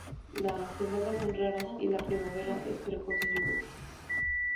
Las heladas son raras y la primavera es precoz y lluviosa.